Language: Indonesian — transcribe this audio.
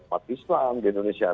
umat islam di indonesia